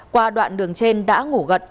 qua đoạn đường trên đã ngủ gật